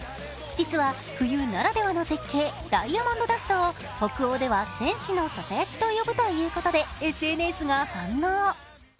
実は冬ならではの絶景、ダイヤモンドダストを北欧では天使のささやきと呼ぶということでＳＮＳが反応。